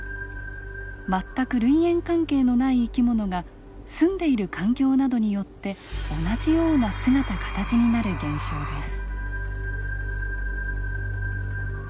全く類縁関係のない生き物が住んでいる環境などによって同じような姿形になる現象です。